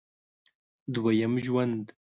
دوه یم ژوند